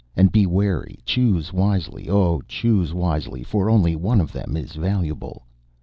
And be wary, choose wisely; oh, choose wisely! for only one of them is valuable."